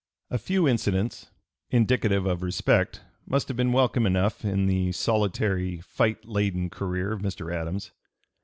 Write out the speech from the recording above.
A few incidents indicative of respect must have been welcome enough in the solitary fight laden career of Mr. Adams.